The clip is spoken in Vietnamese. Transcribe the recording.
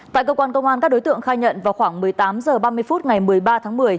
tại cơ quan công an các đối tượng khai nhận vào khoảng một mươi tám h ba mươi phút ngày một mươi ba tháng một mươi